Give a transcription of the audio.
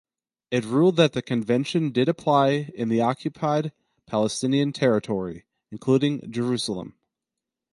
It ruled that the Convention did apply in the Occupied Palestinian Territory, including Jerusalem.